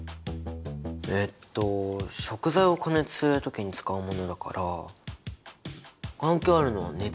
えっと食材を加熱する時に使うものだから関係あるのは熱？